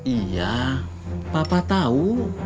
iya papa tau